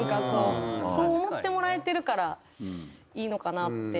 そう思ってもらえてるからいいのかなって。